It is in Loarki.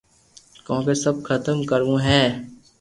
ڪوم سب ختم ڪروہ ھي